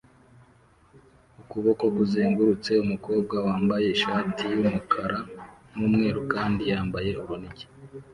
ukuboko kuzengurutse umukobwa wambaye ishati yumukara n'umweru kandi yambaye urunigi